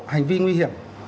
hành vi nguy hiểm